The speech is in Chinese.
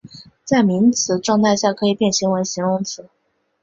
在名词状态下可以变形为形容词。